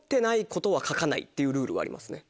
っていうルールはありますね。